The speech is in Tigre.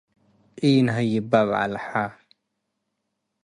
ኢነሀይበ በዐል ሐ